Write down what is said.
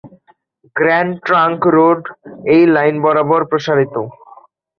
Grand Trunk Road এই line বরাবর প্রসারিত।